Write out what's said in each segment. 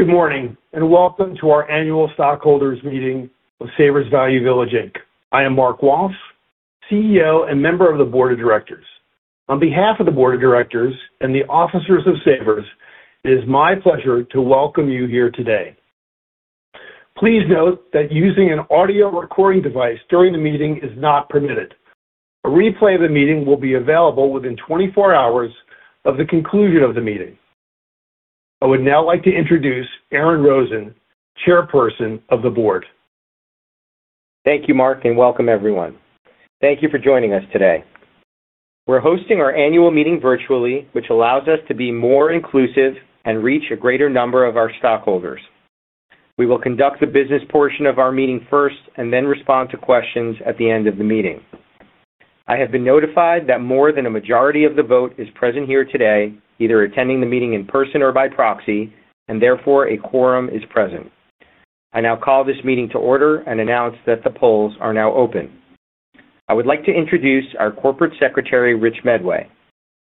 Good morning, welcome to our annual stockholders meeting of Savers Value Village, Inc. I am Mark Walsh, CEO and member of the Board of Directors. On behalf of the Board of Directors and the officers of Savers, it is my pleasure to welcome you here today. Please note that using an audio recording device during the meeting is not permitted. A replay of the meeting will be available within 24 hours of the conclusion of the meeting. I would now like to introduce Aaron Rosen, Chairperson of the Board. Thank you, Mark, welcome everyone. Thank you for joining us today. We're hosting our annual meeting virtually, which allows us to be more inclusive and reach a greater number of our stockholders. We will conduct the business portion of our meeting first, then respond to questions at the end of the meeting. I have been notified that more than a majority of the vote is present here today, either attending the meeting in person or by proxy. Therefore, a quorum is present. I now call this meeting to order, announce that the polls are now open. I would like to introduce our corporate secretary, Richard Medway.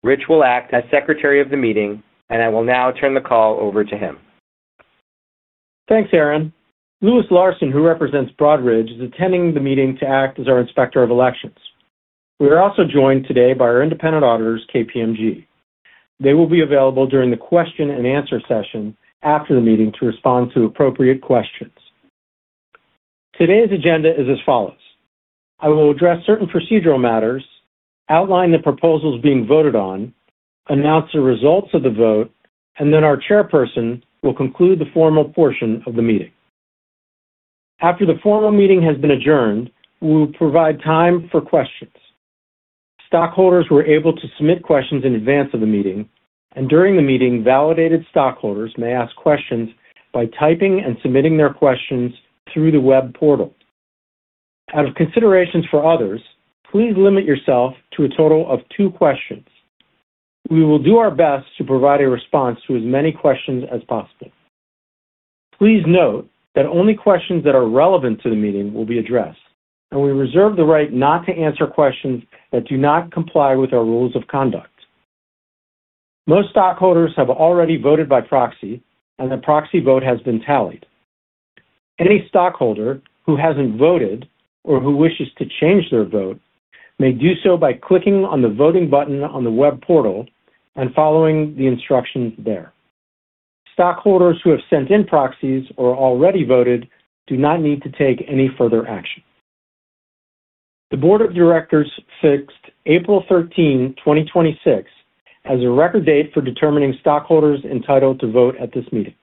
Rich will act as secretary of the meeting. I will now turn the call over to him. Thanks, Aaron. Lewis Larson, who represents Broadridge, is attending the meeting to act as our inspector of elections. We are also joined today by our independent auditors, KPMG. They will be available during the question and answer session after the meeting to respond to appropriate questions. Today's agenda is as follows: I will address certain procedural matters, outline the proposals being voted on, announce the results of the vote, our Chairperson will conclude the formal portion of the meeting. After the formal meeting has been adjourned, we will provide time for questions. Stockholders were able to submit questions in advance of the meeting. During the meeting, validated stockholders may ask questions by typing and submitting their questions through the web portal. Out of considerations for others, please limit yourself to a total of two questions. We will do our best to provide a response to as many questions as possible. Please note that only questions that are relevant to the meeting will be addressed. We reserve the right not to answer questions that do not comply with our rules of conduct. Most stockholders have already voted by proxy. The proxy vote has been tallied. Any stockholder who hasn't voted or who wishes to change their vote may do so by clicking on the voting button on the web portal, following the instructions there. Stockholders who have sent in proxies or already voted do not need to take any further action. The Board of Directors fixed April 13, 2026, as a record date for determining stockholders entitled to vote at this meeting.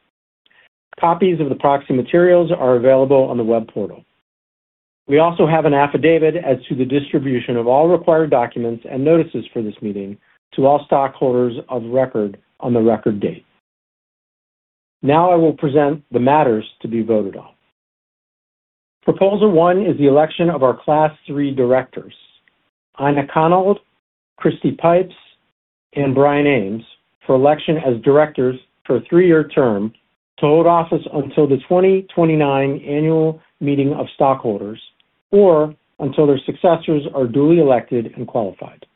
Copies of the proxy materials are available on the web portal. We also have an affidavit as to the distribution of all required documents and notices for this meeting to all stockholders of record on the record date. Now I will present the matters to be voted on. Proposal one is the election of our Class III directors, Aina E. Konold, Kristy Pipes, and Brian Ames, for election as directors for a three-year term to hold office until the 2029 Annual Meeting of Stockholders or until their successors are duly elected and qualified.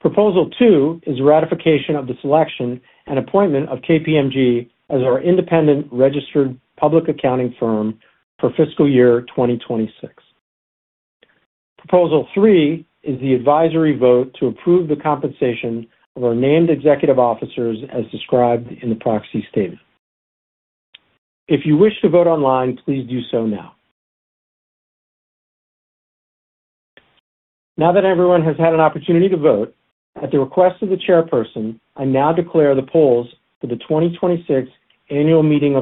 Proposal two is ratification of the selection and appointment of KPMG as our independent registered public accounting firm for fiscal year 2026. Proposal three is the advisory vote to approve the compensation of our named executive officers as described in the proxy statement. If you wish to vote online, please do so now. Now that everyone has had an opportunity to vote, at the request of the chairperson, I now declare the polls for the 2026 Annual Meeting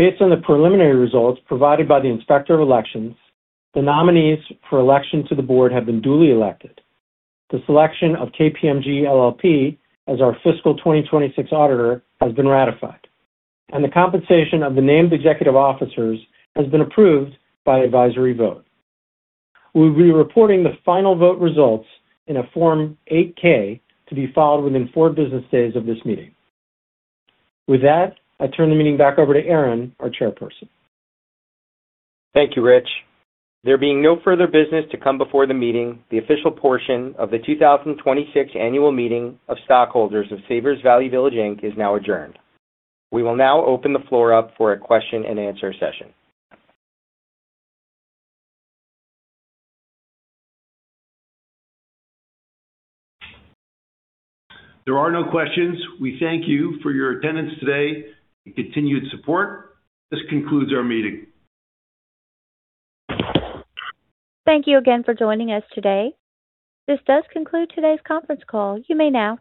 of Stockholders closed. Based on the preliminary results provided by the Inspector of Elections, the nominees for election to the board have been duly elected. The selection of KPMG LLP as our fiscal 2026 auditor has been ratified, and the compensation of the named executive officers has been approved by advisory vote. We'll be reporting the final vote results in a Form 8-K to be filed within four business days of this meeting. With that, I turn the meeting back over to Aaron, our chairperson. Thank you, Rich. There being no further business to come before the meeting, the official portion of the 2026 Annual Meeting of Stockholders of Savers Value Village, Inc. is now adjourned. We will now open the floor up for a question and answer session There are no questions. We thank you for your attendance today and continued support. This concludes our meeting. Thank you again for joining us today. This does conclude today's conference call. You may now